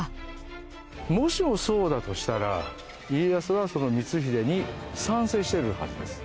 もしもそうだとしたら家康は光秀に賛成してるはずです。